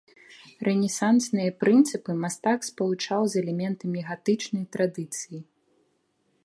Рэнесансныя прынцыпы мастак спалучаў з элементамі гатычнай традыцыі.